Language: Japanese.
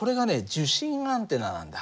受信アンテナなんだ。